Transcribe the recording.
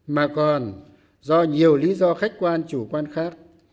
mà còn do nhiều lý do khách quan chủ quan khác